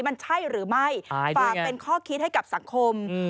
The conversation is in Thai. มันใช่หรือไม่อายด้วยไงฝากเป็นข้อคิดให้กับสังคมอืม